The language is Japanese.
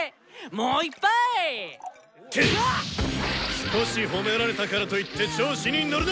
少し褒められたからといって調子に乗るな！